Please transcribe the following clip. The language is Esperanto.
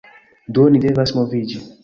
Do ni devas moviĝi.